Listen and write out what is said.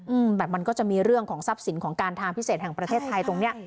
อืมแต่มันก็จะมีเรื่องของทรัพย์สินของการทางพิเศษแห่งประเทศไทยตรงเนี้ย